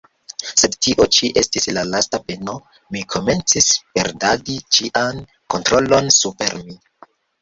Sed tio ĉi estis la lasta peno; mi komencis perdadi ĉian kontrolon super mi.